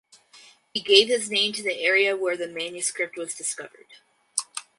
He gave his name to the area where the manuscript was discovered.